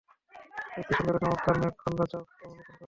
এর চেয়ে সুন্দর ও চমৎকার মেঘখণ্ড চোখ অবলোকন করেনি।